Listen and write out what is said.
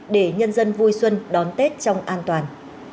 để nhân dân vui xuân đón tết trong an toàn